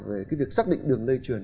về cái việc xác định đường lây truyền